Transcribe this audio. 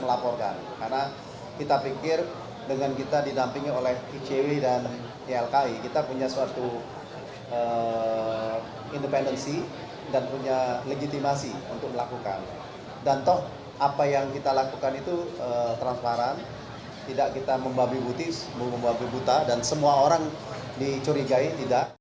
apa yang kita lakukan itu transparan tidak kita membabi butis membabi buta dan semua orang dicurigai tidak